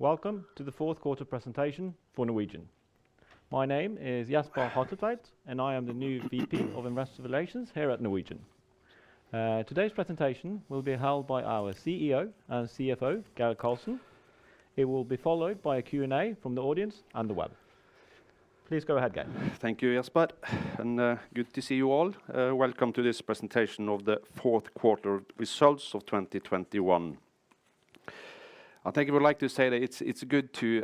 Welcome to the fourth quarter presentation for Norwegian. My name is Jesper Hatletveit, and I am the new VP of Investor Relations here at Norwegian. Today's presentation will be held by our CEO and CFO, Geir Karlsen. It will be followed by a Q&A from the audience and the web. Please go ahead, Geir. Thank you, Jesper, and good to see you all. Welcome to this presentation of the fourth quarter results of 2021. I think I would like to say that it's good to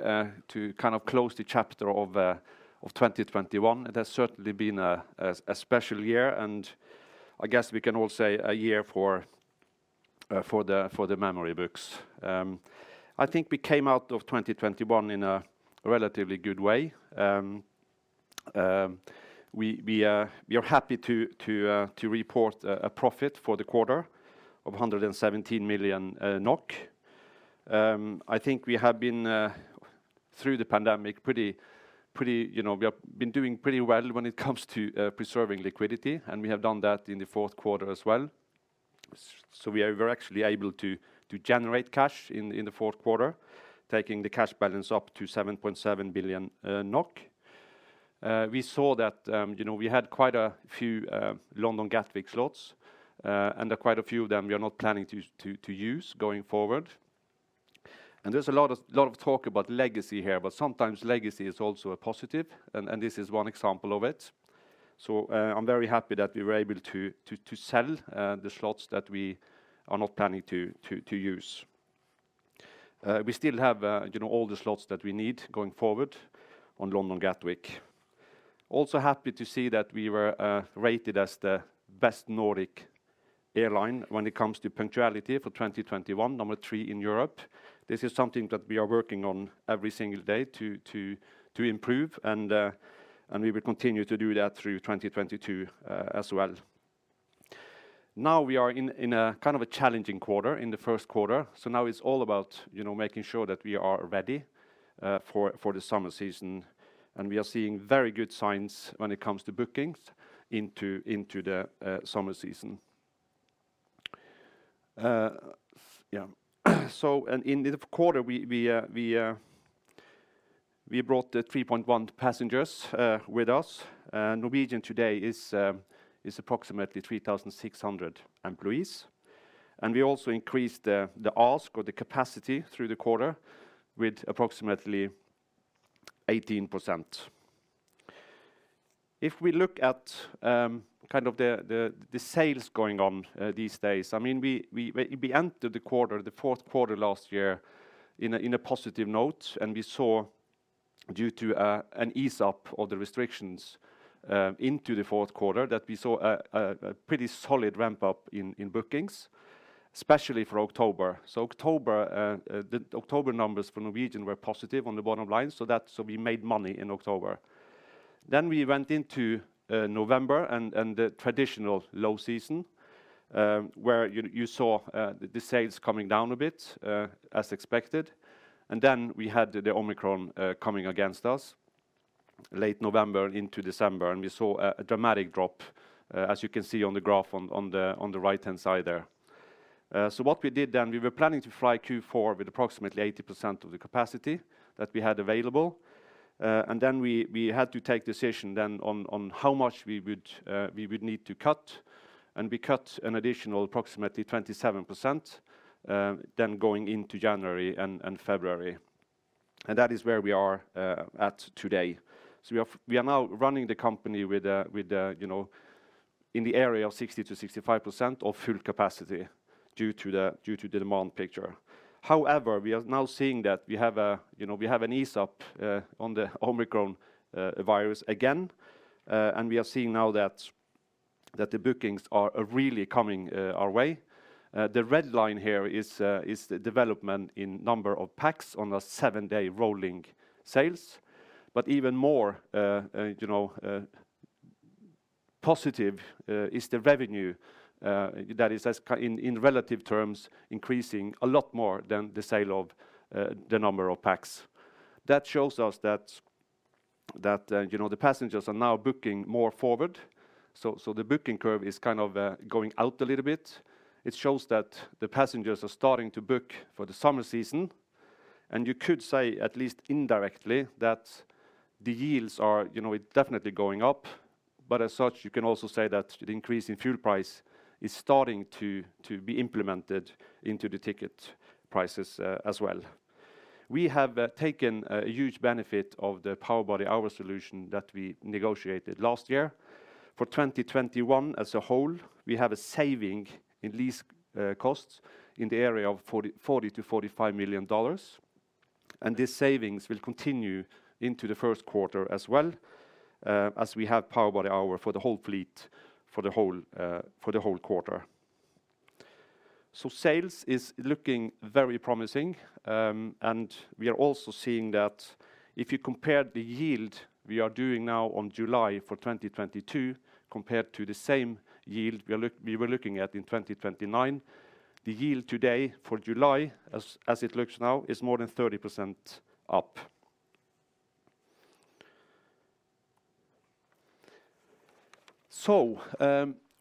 kind of close the chapter of 2021. It has certainly been a special year, and I guess we can all say a year for the memory books. I think we came out of 2021 in a relatively good way. We are happy to report a profit for the quarter of 117 million NOK. I think we have been through the pandemic pretty. You know, we have been doing pretty well when it comes to preserving liquidity, and we have done that in the fourth quarter as well. We're actually able to generate cash in the fourth quarter, taking the cash balance up to 7.7 billion NOK. We saw that, you know, we had quite a few London Gatwick slots, and quite a few of them we are not planning to use going forward. There's a lot of talk about legacy here, but sometimes legacy is also a positive and this is one example of it. I'm very happy that we were able to sell the slots that we are not planning to use. We still have, you know, all the slots that we need going forward on London Gatwick. Also happy to see that we were rated as the best Nordic airline when it comes to punctuality for 2021, number three in Europe. This is something that we are working on every single day to improve and we will continue to do that through 2022 as well. Now we are in a kind of a challenging quarter in the first quarter, so now it's all about, you know, making sure that we are ready for the summer season, and we are seeing very good signs when it comes to bookings into the summer season. In the quarter we brought 3.1 passengers with us. Norwegian today is approximately 3,600 employees. We also increased the ASK or the capacity through the quarter with approximately 18%. If we look at kind of the sales going on these days, I mean, we entered the quarter, the fourth quarter last year in a positive note and we saw due to an ease up of the restrictions into the fourth quarter that we saw a pretty solid ramp up in bookings, especially for October. The October numbers for Norwegian were positive on the bottom line, so that we made money in October. We went into November and the traditional low season, where you saw the sales coming down a bit, as expected. Then we had the Omicron coming against us late November into December, and we saw a dramatic drop as you can see on the graph on the right-hand side there. What we did then, we were planning to fly Q4 with approximately 80% of the capacity that we had available, and then we had to take decision then on how much we would need to cut, and we cut an additional approximately 27%, then going into January and February. That is where we are at today. We are now running the company with, you know, in the area of 60%-65% of full capacity due to the demand picture. However, we are now seeing that we have a, you know, we have an easing up on the Omicron virus again, and we are seeing now that the bookings are really coming our way. The red line here is the development in number of PAX on a seven-day rolling basis. Even more positive is the revenue that is in relative terms increasing a lot more than the number of PAX. That shows us that, you know, the passengers are now booking more forward, so the booking curve is kind of going out a little bit. It shows that the passengers are starting to book for the summer season, and you could say, at least indirectly, that the yields are, you know, definitely going up, but as such, you can also say that the increase in fuel price is starting to be implemented into the ticket prices as well. We have taken a huge benefit of the Power by the Hour solution that we negotiated last year. For 2021 as a whole, we have a saving in lease costs in the area of $40 million-$45 million, and these savings will continue into the first quarter as well, as we have Power by the Hour for the whole fleet for the whole quarter. Sales is looking very promising, and we are also seeing that if you compare the yield we are doing now on July 2022 compared to the same yield we were looking at in 2029, the yield today for July, as it looks now, is more than 30% up.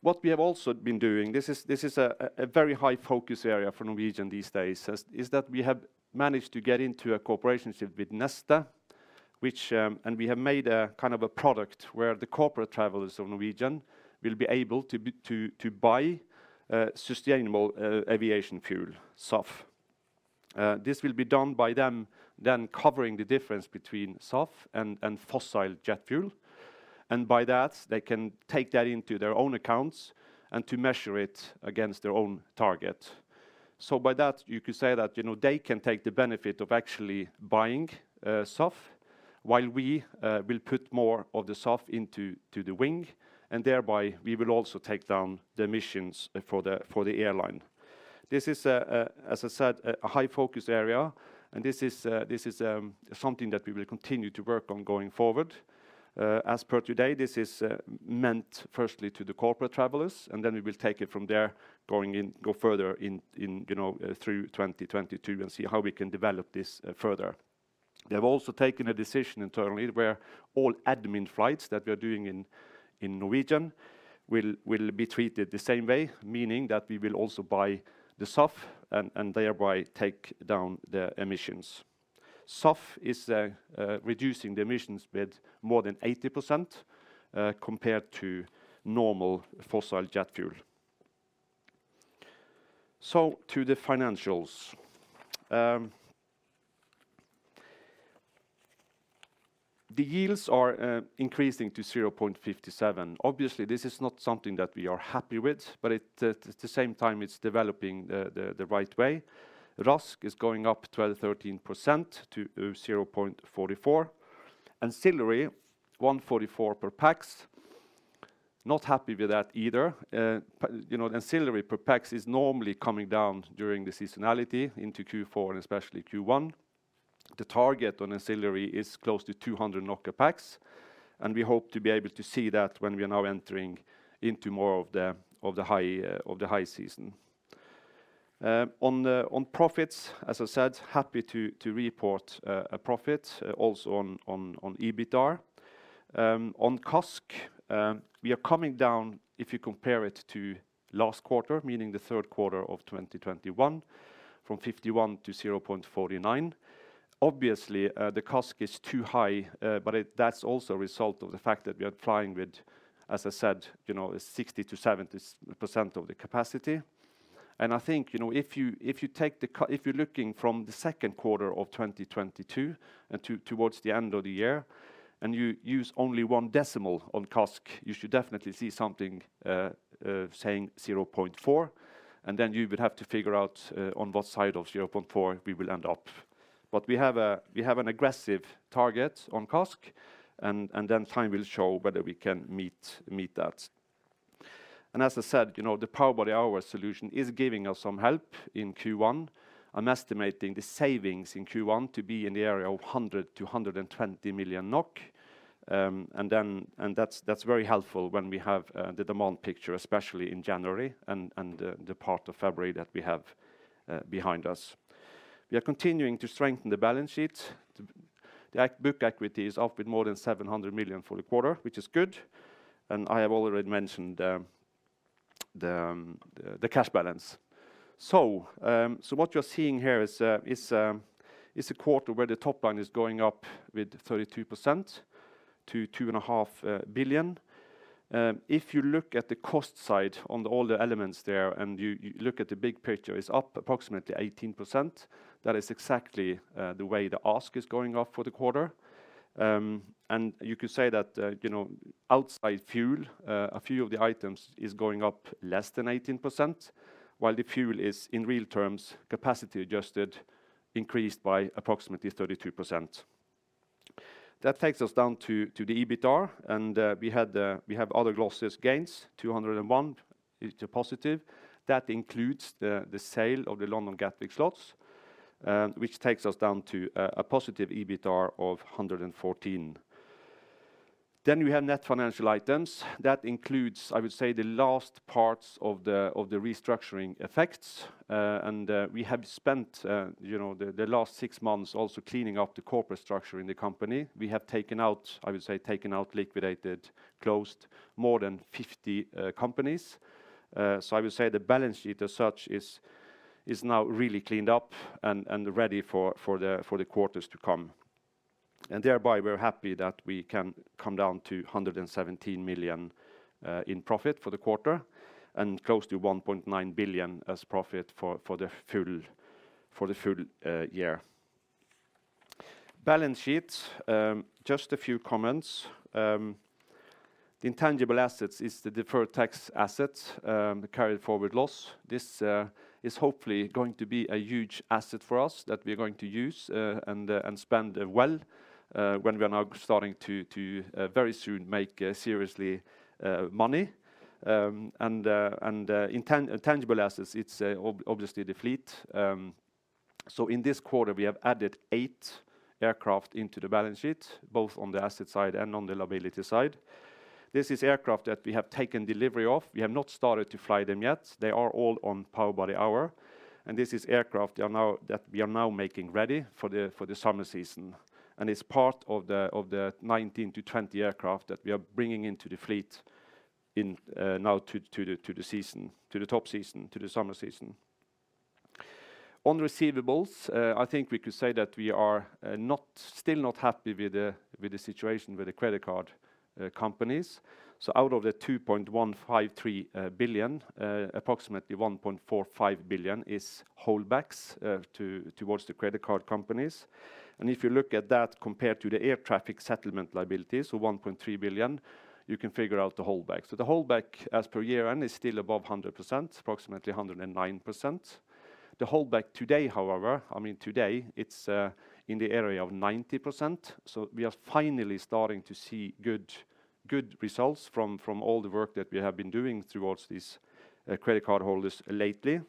What we have also been doing, this is a very high focus area for Norwegian these days, is that we have managed to get into a cooperation with Neste, and we have made a kind of a product where the corporate travelers of Norwegian will be able to buy sustainable aviation fuel, SAF. This will be done by them then covering the difference between SAF and fossil jet fuel. By that, they can take that into their own accounts and to measure it against their own target. By that, you could say that, you know, they can take the benefit of actually buying SAF, while we will put more of the SAF into the wing, and thereby we will also take down the emissions for the airline. This is, as I said, a high focus area, and this is something that we will continue to work on going forward. As per today, this is meant firstly to the corporate travelers, and then we will take it from there, go further in, you know, through 2022 and see how we can develop this further. They have also taken a decision internally where all admin flights that we are doing in Norwegian will be treated the same way, meaning that we will also buy the SAF and thereby take down the emissions. SAF is reducing the emissions with more than 80%, compared to normal fossil jet fuel. So, the financials. The yields are increasing to 0.57 obviously, this is not something that we are happy with, but at the same time, it's developing the right way. RASK is going up 12%-13% to 0.44. Ancillary, 144 per pax. Not happy with that either. You know, ancillary per pax is normally coming down during the seasonality into Q4 and especially Q1. The target on ancillary is close to 200 NOK per pax, and we hope to be able to see that when we are now entering into more of the high season. On profits, as I said, happy to report a profit also on EBITDAR. On CASK, we are coming down if you compare it to last quarter, meaning the third quarter of 2021, from 0.51-0.49. Obviously, the CASK is too high, but that's also a result of the fact that we are flying with, as I said, you know, 60%-70% of the capacity. I think, you know, if you're looking from the second quarter of 2022 towards the end of the year, and you use only one decimal on CASK, you should definitely see something saying 0.4. Then you would have to figure out on what side of 0.4 we will end up. We have an aggressive target on CASK, and then time will show whether we can meet that. As I said, you know, the Power by the Hour solution is giving us some help in Q1. I'm estimating the savings in Q1 to be in the area of 100 million-120 million NOK. That's very helpful when we have the demand picture, especially in January and the part of February that we have behind us. We are continuing to strengthen the balance sheet. The book equity is up with more than 700 million for the quarter, which is good. I have already mentioned the cash balance. What you're seeing here is a quarter where the top line is going up with 32% to 2.5 billion. If you look at the cost side on all the elements there, and you look at the big picture, it's up approximately 18%. That is exactly the way the ASK is going up for the quarter. You could say that, you know, outside fuel, a few of the items is going up less than 18%, while the fuel is, in real terms, capacity adjusted, increased by approximately 32%. That takes us down to the EBITDAR, and we have other losses and gains, +201. That includes the sale of the London Gatwick slots, which takes us down to a positive EBITDAR of 114. We have net financial items. That includes, I would say, the last parts of the restructuring effects, and we have spent, you know, the last six months also cleaning up the corporate structure in the company. We have taken out, I would say, liquidated, closed more than 50 companies. I would say the balance sheet as such is now really cleaned up and ready for the quarters to come. We're happy that we can come down to 117 million in profit for the quarter, and close to 1.9 billion as profit for the full year. Balance sheet, just a few comments. The intangible assets is the deferred tax assets, the carried forward loss. This is hopefully going to be a huge asset for us that we're going to use and spend well when we are now starting to very soon make serious money. Intangible assets, it's obviously the fleet. In this quarter, we have added 8 aircraft into the balance sheet, both on the asset side and on the liability side. This is aircraft that we have taken delivery of. We have not started to fly them yet. They are all on Power by the Hour. This is aircraft that we are now making ready for the summer season. It's part of the 19-20 aircraft that we are bringing into the fleet now to the season, the top season, the summer season. On receivables, I think we could say that we are still not happy with the situation with the credit card companies. Out of the 2.153 billion, approximately 1.45 billion is holdbacks towards the credit card companies. If you look at that compared to the air traffic settlement liabilities, 1.3 billion, you can figure out the holdback. The holdback as per year end is still above 100%, approximately 109%. The holdback today, however, I mean, today, it's in the area of 90%. We are finally starting to see good results from all the work that we have been doing towards these credit card holders lately.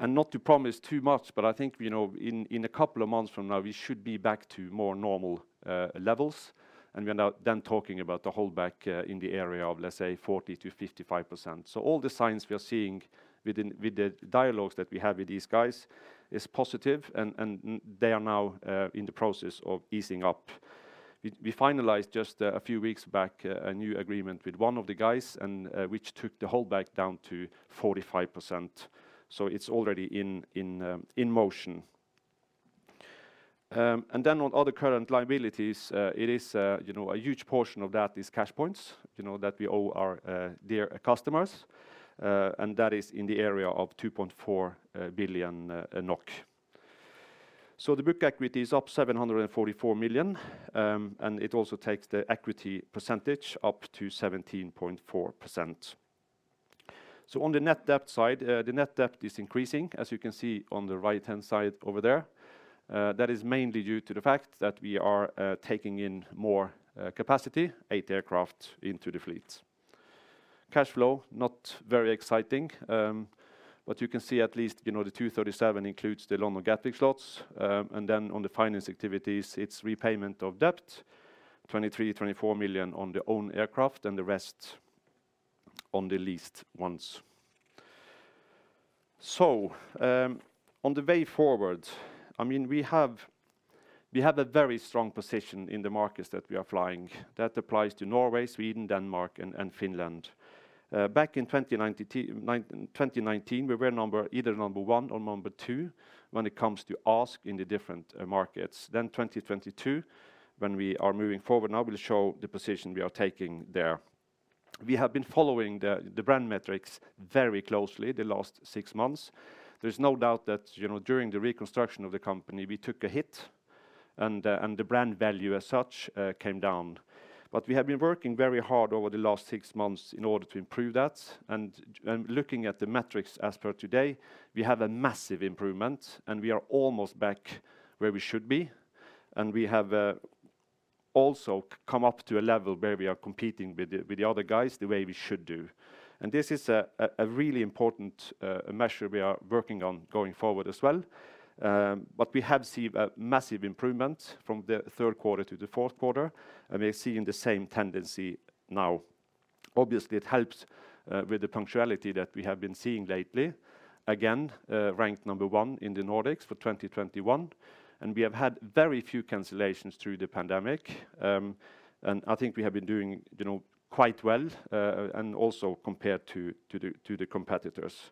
Not to promise too much, but I think, you know, in a couple of months from now, we should be back to more normal levels. We are now then talking about the holdback in the area of, let's say, 40%-55%. All the signs we are seeing with the dialogues that we have with these guys is positive and they are now in the process of easing up. We finalized just a few weeks back a new agreement with one of the guys and which took the holdback down to 45%. It's already in motion. Then on other current liabilities, it is you know a huge portion of that is cash points, you know, that we owe our dear customers and that is in the area of 2.4 billion NOK. The book equity is up 744 million, and it also takes the equity percentage up to 17.4%. On the net debt side, the net debt is increasing, as you can see on the right-hand side over there. That is mainly due to the fact that we are taking in more capacity, 8 aircraft into the fleet. Cash flow, not very exciting, but you can see at least, you know, the 237 includes the London Gatwick slots. And then on the finance activities, it's repayment of debt, 23 million-24 million on the own aircraft and the rest on the leased ones. On the way forward, I mean, we have a very strong position in the markets that we are flying. That applies to Norway, Sweden, Denmark, and Finland. Back in 2019, we were number one or number two when it comes to ASK in the different markets. 2022, when we are moving forward now, will show the position we are taking there. We have been following the brand metrics very closely the last six months. There's no doubt that, you know, during the reconstruction of the company, we took a hit and the brand value as such came down. We have been working very hard over the last six months in order to improve that. Looking at the metrics as per today, we have a massive improvement, and we are almost back where we should be. We have also come up to a level where we are competing with the other guys the way we should do. This is a really important measure we are working on going forward as well. We have seen a massive improvement from the third quarter to the fourth quarter, and we are seeing the same tendency now. Obviously, it helps with the punctuality that we have been seeing lately, again, ranked number one in the Nordics for 2021. We have had very few cancellations through the pandemic. I think we have been doing, you know, quite well, and also compared to the competitors.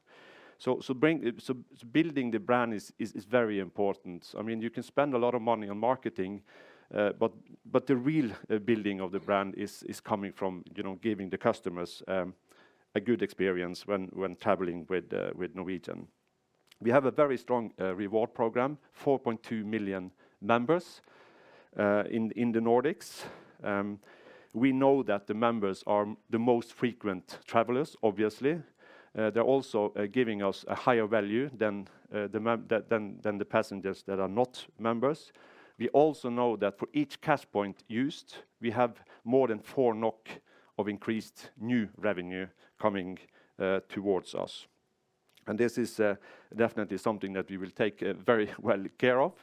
Building the brand is very important. I mean, you can spend a lot of money on marketing, but the real building of the brand is coming from, you know, giving the customers a good experience when traveling with Norwegian. We have a very strong reward program, 4.2 million members in the Nordics. We know that the members are the most frequent travelers, obviously. They're also giving us a higher value than the passengers that are not members. We also know that for each cash point used, we have more than 4 NOK of increased new revenue coming towards us. This is definitely something that we will take very well care of,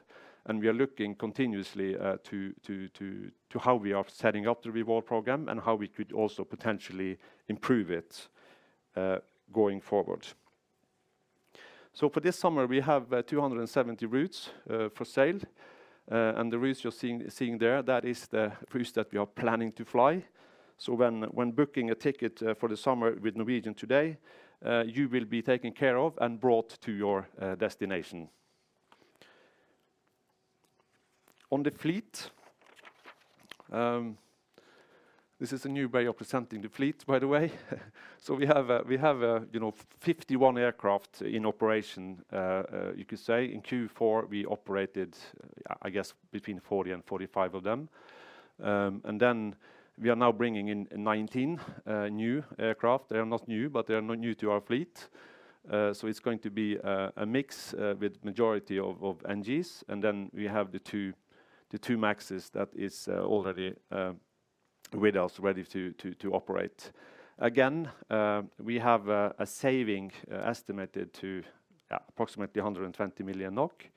and we are looking continuously to how we are setting up the reward program and how we could also potentially improve it, going forward. For this summer, we have 270 routes for sale. The routes you're seeing there, that is the routes that we are planning to fly. When booking a ticket for the summer with Norwegian today, you will be taken care of and brought to your destination. On the fleet, this is a new way of presenting the fleet, by the way. We have you know, 51 aircraft in operation, you could say. In Q4, we operated, I guess between 40 and 45 of them. Then we are now bringing in 19 new aircraft. They are not new, but they are new to our fleet. It's going to be a mix with majority of NGs. We have the two MAXes that is already with us ready to operate. Again, we have a saving estimated to approximately 120 million NOK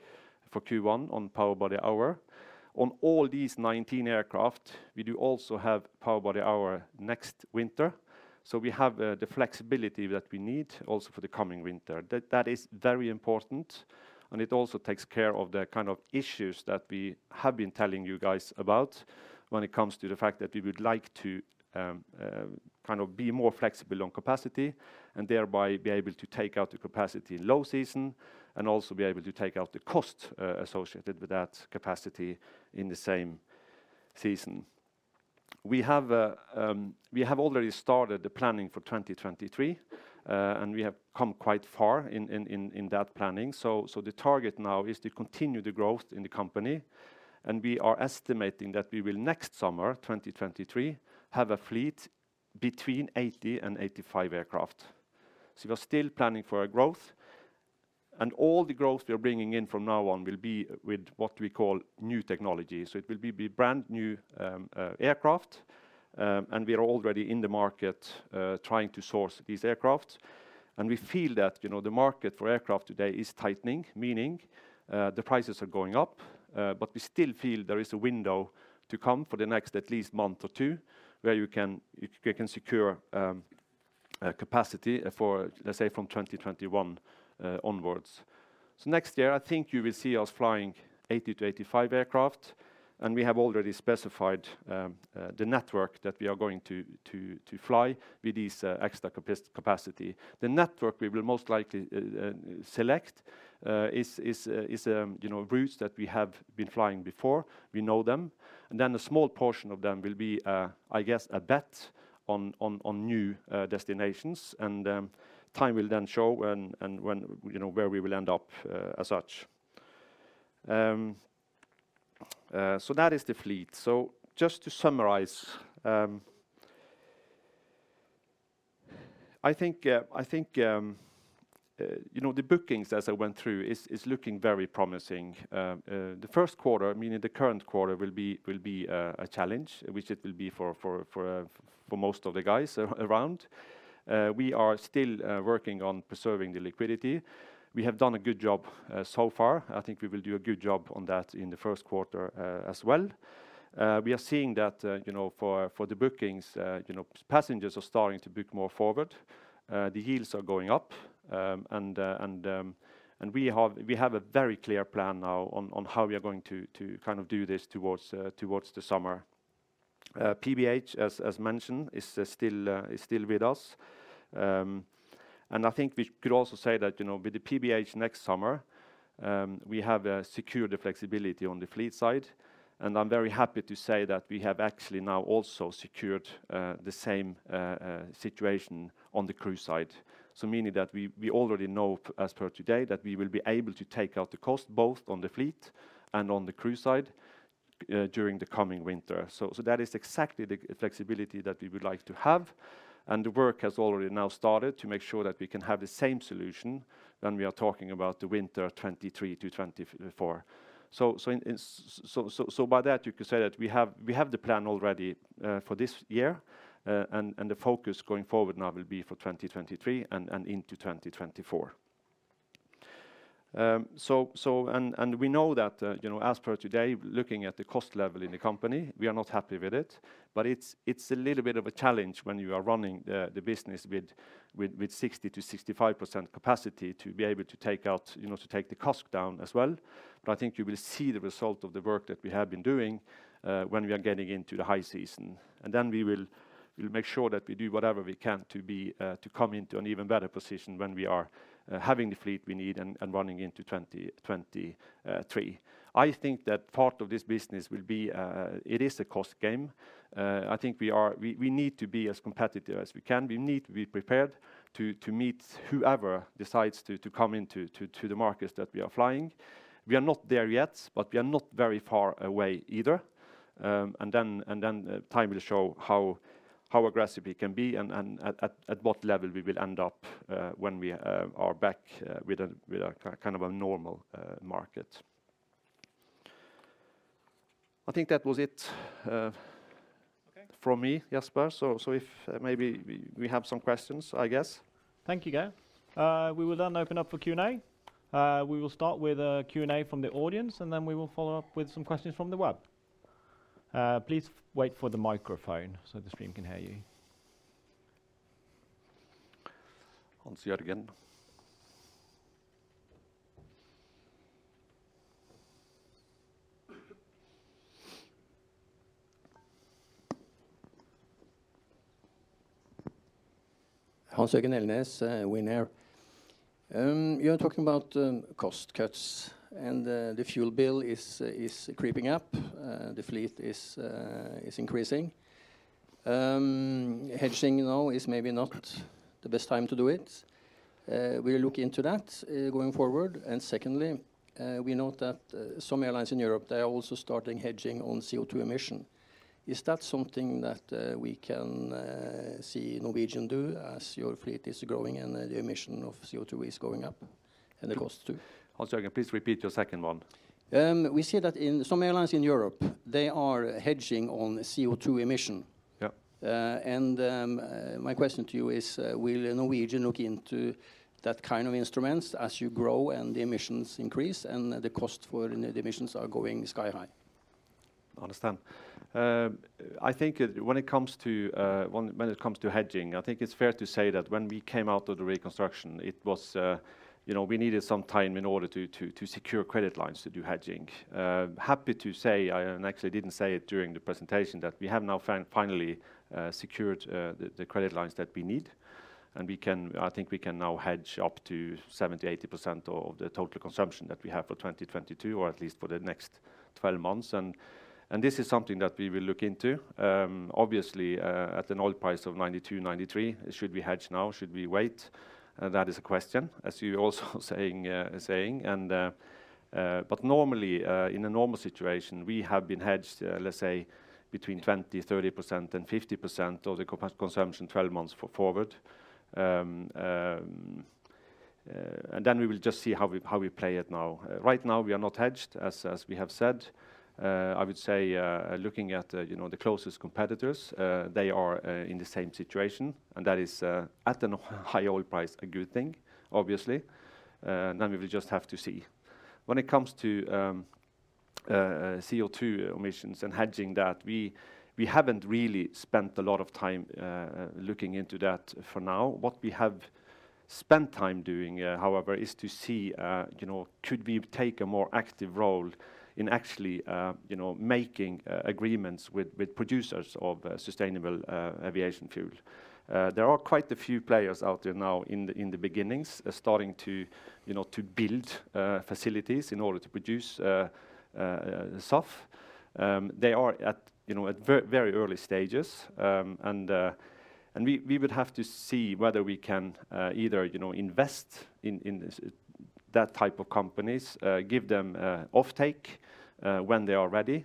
for Q1 on Power by the Hour. On all these 19 aircraft, we do also have Power by the Hour next winter. We have the flexibility that we need also for the coming winter. That is very important, and it also takes care of the kind of issues that we have been telling you guys about when it comes to the fact that we would like to kind of be more flexible on capacity and thereby be able to take out the capacity in low season and also be able to take out the cost associated with that capacity in the same season. We have already started the planning for 2023, and we have come quite far in that planning. The target now is to continue the growth in the company, and we are estimating that we will next summer, 2023, have a fleet between 80 and 85 aircraft. We are still planning for our growth, and all the growth we are bringing in from now on will be with what we call new technology. It will be brand-new aircraft, and we are already in the market trying to source these aircraft. We feel that, you know, the market for aircraft today is tightening, meaning the prices are going up. We still feel there is a window to come for the next at least month or two where you can secure capacity for, let's say, from 2021 onwards. Next year, I think you will see us flying 80-85 aircraft, and we have already specified the network that we are going to fly with this extra capacity. The network we will most likely select is you know routes that we have been flying before. We know them. Then a small portion of them will be I guess a bet on new destinations. Time will then show when you know where we will end up as such that is the fleet. Just to summarize I think you know the bookings as I went through is looking very promising. The first quarter meaning the current quarter will be a challenge which it will be for most of the guys around. We are still working on preserving the liquidity. We have done a good job so far. I think we will do a good job on that in the first quarter, as well. We are seeing that, you know, for the bookings, you know, passengers are starting to book more forward. The yields are going up. We have a very clear plan now on how we are going to kind of do this towards the summer. PBH, as mentioned, is still with us. I think we could also say that, you know, with the PBH next summer, we have secured the flexibility on the fleet side, and I'm very happy to say that we have actually now also secured the same situation on the crew side. Meaning that we already know as per today that we will be able to take out the cost both on the fleet and on the crew side during the coming winter. That is exactly the flexibility that we would like to have, and the work has already now started to make sure that we can have the same solution when we are talking about the winter 2023-2024. By that you could say that we have the plan already for this year, and the focus going forward now will be for 2023 and into 2024. We know that, you know, as per today, looking at the cost level in the company, we are not happy with it. It's a little bit of a challenge when you are running the business with 60%-65% capacity to be able to take out, you know, to take the cost down as well. I think you will see the result of the work that we have been doing when we are getting into the high season. Then we will make sure that we do whatever we can to be to come into an even better position when we are having the fleet we need and running into 2023. I think that part of this business will be it is a cost game. I think we need to be as competitive as we can. We need to be prepared to meet whoever decides to come into the markets that we are flying. We are not there yet, but we are not very far away either. Time will show how aggressive we can be and at what level we will end up when we are back with a kind of a normal market. I think that was it. Okay. From me, Jesper. If maybe we have some questions, I guess. Thank you, Geir. We will open up for Q&A. We will start with a Q&A from the audience, and then we will follow up with some questions from the web. Please wait for the microphone so the stream can hear you. Hans Jørgen. Hans Jørgen Elnæs, Winair. You're talking about cost cuts, and the fuel bill is creeping up. The fleet is increasing. Hedging now is maybe not the best time to do it. We'll look into that going forward. Secondly, we note that some airlines in Europe, they are also starting hedging on CO2 emission. Is that something that we can see Norwegian do as your fleet is growing and the emission of CO2 is going up and the cost too? Hans Jørgen, please repeat your second one. We see that in some airlines in Europe, they are hedging on CO2 emission. Yeah. My question to you is, will Norwegian look into that kind of instruments as you grow and the emissions increase and the cost for the emissions are going sky high? Understand. I think when it comes to hedging, I think it's fair to say that when we came out of the reconstruction, it was, you know, we needed some time in order to secure credit lines to do hedging. Happy to say, actually didn't say it during the presentation, that we have now finally secured the credit lines that we need, and we can, I think we can now hedge up to 70%-80% of the total consumption that we have for 2022 or at least for the next 12 months. This is something that we will look into. Obviously, at an oil price of 92-93, should we hedge now? Should we wait? That is a question, as you're also saying. Normally, in a normal situation, we have been hedged, let's say between 20%-30% and 50% of the consumption 12 months forward. We will just see how we play it now. Right now, we are not hedged, as we have said. I would say, looking at, you know, the closest competitors, they are in the same situation, and that is, at a high oil price, a good thing, obviously. We will just have to see. When it comes to CO2 emissions and hedging that, we haven't really spent a lot of time looking into that for now. What we have spent time doing, however, is to see, you know, could we take a more active role in actually, you know, making agreements with producers of sustainable aviation fuel. There are quite a few players out there now in the beginnings starting to, you know, to build facilities in order to produce SAF. They are at, you know, at very early stages. We would have to see whether we can either, you know, invest in that type of companies, give them offtake when they are ready.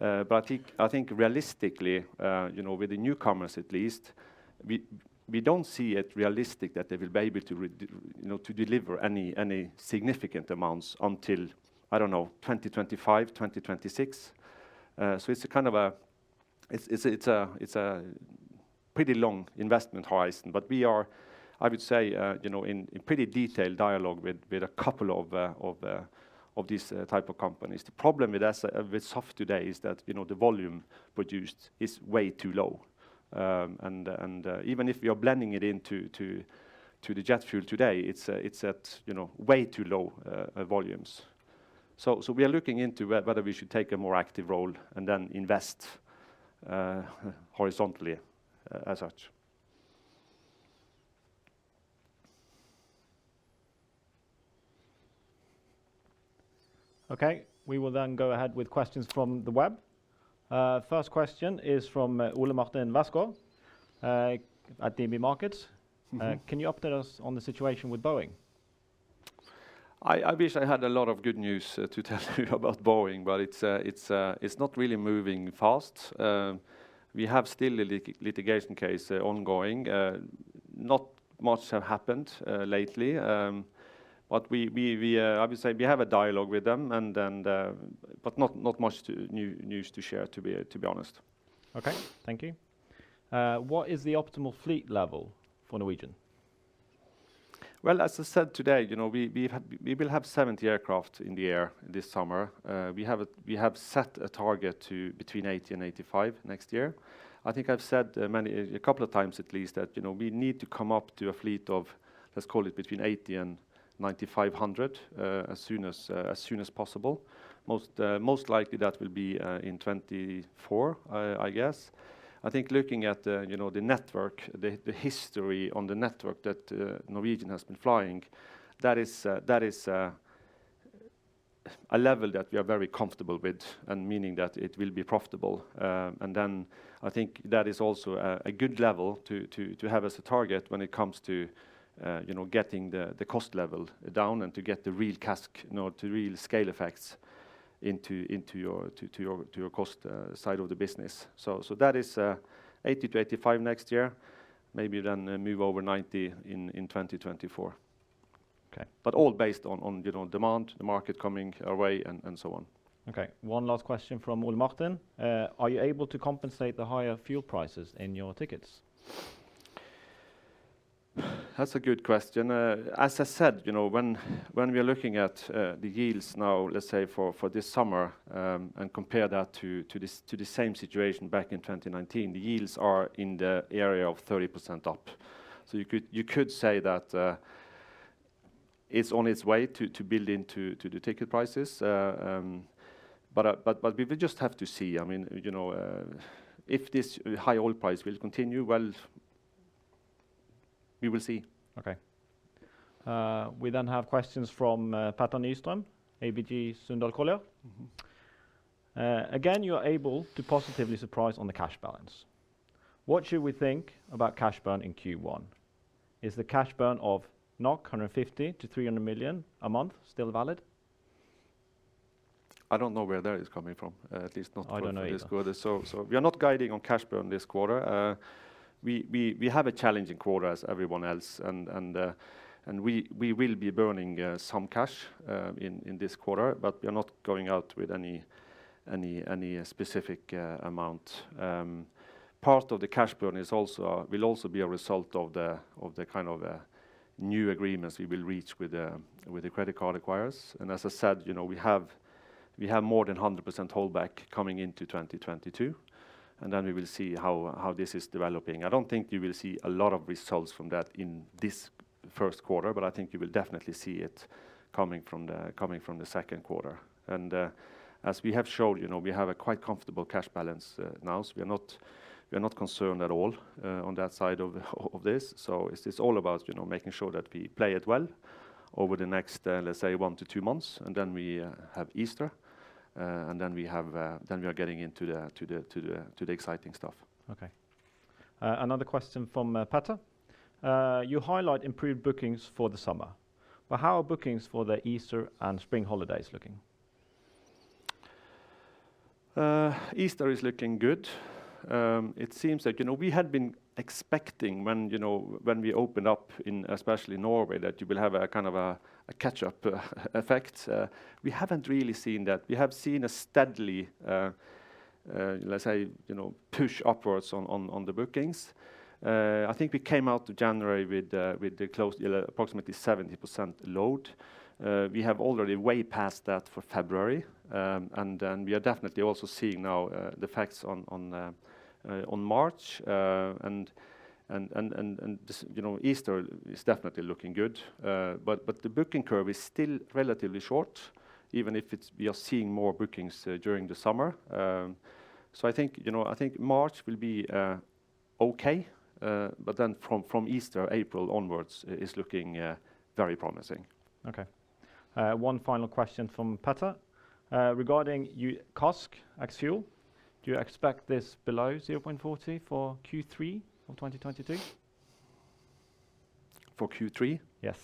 I think realistically, you know, with the newcomers at least, we don't see it realistic that they will be able to, you know, to deliver any significant amounts until, I don't know, 2025, 2026. So it's a pretty long investment horizon. We are, I would say, you know, in pretty detailed dialogue with a couple of these type of companies. The problem with SAF today is that, you know, the volume produced is way too low. And even if we are blending it into the jet fuel today, it's at, you know, way too low volumes. We are looking into whether we should take a more active role and then invest horizontally as such. Okay. We will then go ahead with questions from the web. First question is from Ole Martin Westgaard at DNB Markets. Mm-hmm. Can you update us on the situation with Boeing? I wish I had a lot of good news to tell you about Boeing, but it's not really moving fast. We have still a litigation case ongoing. Not much have happened lately. I would say we have a dialogue with them, but not much new news to share, to be honest. Okay. Thank you. What is the optimal fleet level for Norwegian? Well, as I said today, you know, we will have 70 aircraft in the air this summer. We have set a target to between 80 and 85 next year. I think I've said a couple of times at least that, you know, we need to come up to a fleet of, let's call it between 80 and 9,500 as soon as possible. Most likely that will be in 2024, I guess. I think looking at, you know, the network, the history on the network that Norwegian has been flying, that is a level that we are very comfortable with and meaning that it will be profitable. I think that is also a good level to have as a target when it comes to you know getting the cost level down and to get the real CASK you know to real scale effects into your cost side of the business. That is 80-85 next year. Maybe then move over 90 in 2024. Okay. All based on you know, demand, the market coming our way, and so on. Okay. One last question from Ole Martin. Are you able to compensate the higher fuel prices in your tickets? That's a good question. As I said, you know, when we are looking at the yields now, let's say for this summer, and compare that to this, the same situation back in 2019, the yields are in the area of 30% up. So you could say that it's on its way to build into the ticket prices. But we will just have to see. I mean, you know, if this high oil price will continue, well, we will see. Okay. We have questions from Petter Nyström, ABG Sundal Collier. Mm-hmm. Again, you are able to positively surprise on the cash balance. What should we think about cash burn in Q1? Is the cash burn of 150 million-300 million a month still valid? I don't know where that is coming from, at least not for this quarter. I don't know either. We are not guiding on cash burn this quarter. We have a challenging quarter as everyone else and we will be burning some cash in this quarter, but we are not going out with any specific amount. Part of the cash burn will also be a result of the kind of new agreements we will reach with the credit card acquirers. As I said, you know, we have more than 100% hold back coming into 2022, and then we will see how this is developing. I don't think you will see a lot of results from that in this first quarter, but I think you will definitely see it coming from the second quarter. As we have showed, you know, we have a quite comfortable cash balance now. We are not concerned at all on that side of this. It is all about, you know, making sure that we play it well over the next, let's say, one to two months, and then we have Easter. We are getting into the exciting stuff. Okay. Another question from Petter Nyström. You highlight improved bookings for the summer, but how are bookings for the Easter and spring holidays looking? Easter is looking good. It seems like, you know, we had been expecting when, you know, when we opened up in especially Norway, that you will have a kind of a catch-up effect. We haven't really seen that. We have seen a steadily, let's say, you know, push upwards on the bookings. I think we came out to January with the close to approximately 70% load. We have already way past that for February. We are definitely also seeing now the effects on March. Easter is definitely looking good. The booking curve is still relatively short, even if we are seeing more bookings during the summer. I think, you know, I think March will be okay. From Easter, April onwards is looking very promising. Okay. One final question from Petter Nyström. Regarding the CASK ex-fuel, do you expect this below 0.40 for Q3 of 2022? For Q3? Yes.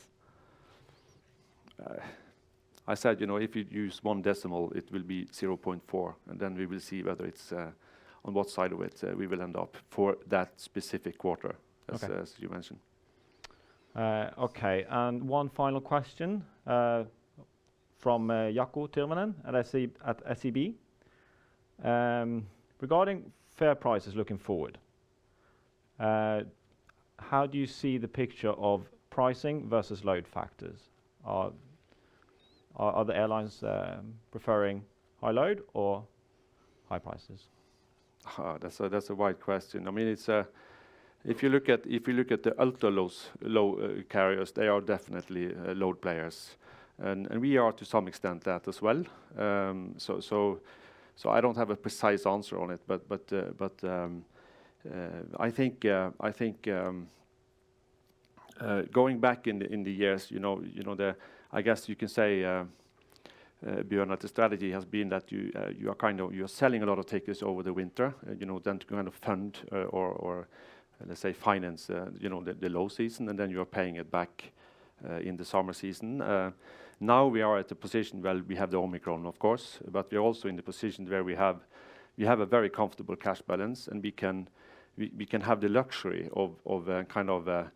I said, you know, if you use one decimal, it will be 0.4, and then we will see whether it's on what side of it we will end up for that specific quarter. Okay as you mentioned. Okay. One final question from Jaakko Tyrväinen at SEB. Regarding fare prices looking forward, how do you see the picture of pricing versus load factors? Are the airlines preferring high load or high prices? Oh, that's a wide question. I mean, it's if you look at the ultra low carriers, they are definitely load players. We are to some extent that as well. I don't have a precise answer on it. I think going back in the years, you know, the I guess you can say, Bjørn, that the strategy has been that you are kind of selling a lot of tickets over the winter, you know, then to kind of fund or let's say finance you know the low season, and then you are paying it back in the summer season. Now we are at a position where we have the Omicron, of course, but we are also in the position where we have a very comfortable cash balance, and we can have the luxury of kind of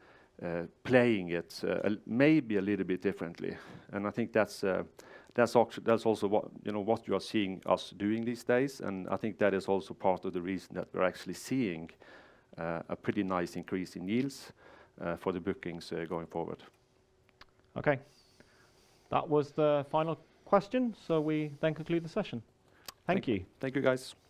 playing it maybe a little bit differently. I think that's also what you know what you are seeing us doing these days. I think that is also part of the reason that we're actually seeing a pretty nice increase in yields for the bookings going forward. Okay. That was the final question, so we then conclude the session. Thank you. Thank you, guys.